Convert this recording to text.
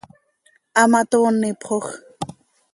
Hamatoonipxoj.